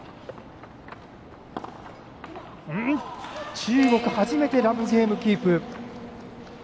中国、初めてラブゲームキープ。